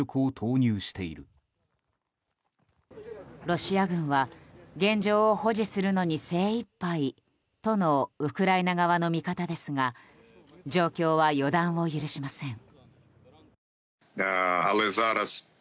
ロシア軍は現状を保持するのに精いっぱいとのウクライナ側の見方ですが状況は予断を許しません。